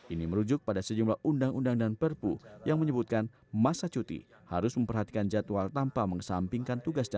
ini merujuk pada sejumlah undang undang dan perpu yang menyebutkan masa cuti harus memperhatikan jadwal tanpa mengesampingkan tugasnya